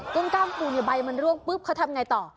ต้นก้ามปู่ในใบมันร่วงปุ๊บเค้าทำไงต่อ